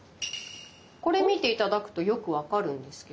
これ見て頂くとよく分かるんですけれど。